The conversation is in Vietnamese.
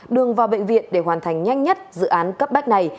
đường vào bệnh viện để hoàn thành nhanh nhất dự án cấp bách này